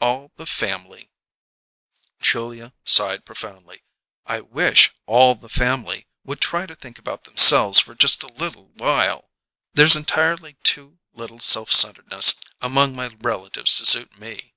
All the family " Julia sighed profoundly. "I wish 'all the family' would try to think about themselves for just a little while! There's entirely too little self centredness among my relatives to suit me!"